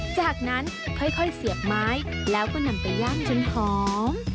จากนั้นค่อยเสียบไม้แล้วก็นำไปย่างจนหอม